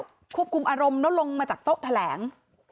ก็ควบคุมอารมณ์แล้วลงมาจากโต๊ะแถลง